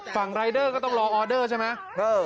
รายเดอร์ก็ต้องรอออเดอร์ใช่ไหม